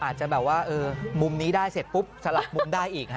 อาจจะแบบว่ามุมนี้ได้เสร็จปุ๊บสลับมุมได้อีก